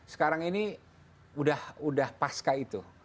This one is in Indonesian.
sekarang ini udah pasca itu